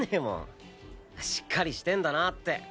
しっかりしてんだなって。